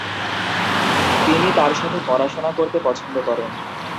তিনি তাঁর সাথে পড়াশোনা করতে পছন্দ করেন।